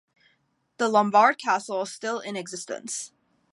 The Lombard castle is still in existence.